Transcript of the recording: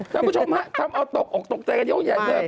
ท่านผู้ชมถ้าเอาตกออกตกใจกันยังอย่างเดิม